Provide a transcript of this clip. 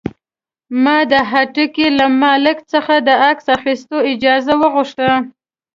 ما د هټۍ له مالک څخه د عکس اخیستلو اجازه وغوښته.